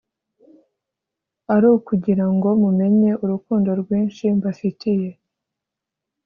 ari ukugira ngo mumenye urukundo rwinshi mbafitiye